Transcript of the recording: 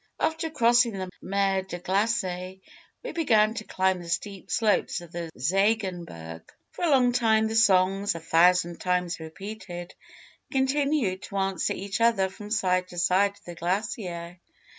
After crossing the Mer de Glace, we began to climb the steep slopes of the Ziegenberg. [Illustration: GENEVA AND MONT BLANC.] "For a long time the songs, a thousand times repeated, continued to answer each other from side to side of the glacier.